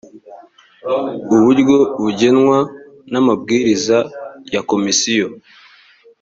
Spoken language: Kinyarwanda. uburyo bugenwa n’ amabwiriza ya komisiyo